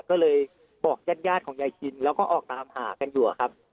ก็เลยบอกญาติของยายชินแล้วก็ออกตามหากันอยู่ครับ